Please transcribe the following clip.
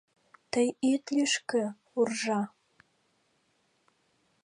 Тый ит лӱшкӧ, уржа